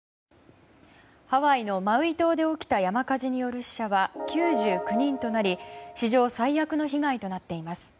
ハワイ・マウイ島で起きた山火事による死者は９９人となり史上最悪の被害となっています。